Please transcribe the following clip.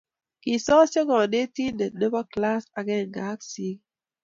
Kisosio konentinte nebo klass akenge ak sikiik.